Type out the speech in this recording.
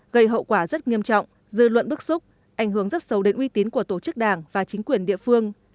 gây hậu quả rất nghiêm trọng dư luận bức xúc ảnh hưởng rất sâu đến uy tín của tổ chức đảng và chính quyền địa phương